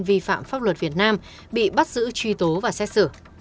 vi phạm pháp luật việt nam bị bắt giữ truy tố và xét xử